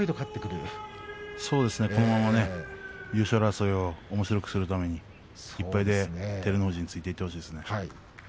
そうですね、このまま優勝争いをおもしろくするために照ノ富士についていってほしいですね。